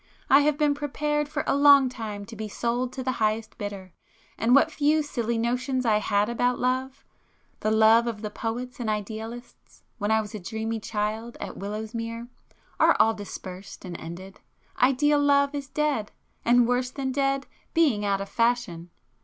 I have been prepared for a long time to be sold to the highest bidder, and what few silly notions I had about love,—the love of the poets and idealists,—when I was a dreamy child at Willowsmere, are all dispersed and ended. Ideal love is dead,—and worse than dead, being out of fashion.